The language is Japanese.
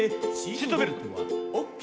「シートベルトはＯＫ？」